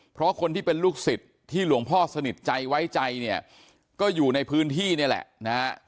เพราะคนที่เป็นลูกศิษย์ที่หลวงพ่อสนิทใจไว้ใจเนี่ยก็อยู่ในพื้นที่นี่แหละนะฮะ